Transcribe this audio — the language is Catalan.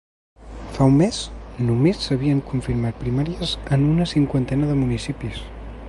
Fa un mes, només s’havien confirmat primàries en una cinquantena de municipis.